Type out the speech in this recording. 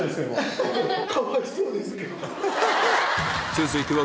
続いては